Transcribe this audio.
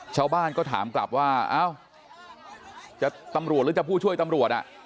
ชาวบ้านก็ถามกลับว่าเอ้าจะตำรวจหรือจะผู้ช่วยตำรวจอ่ะ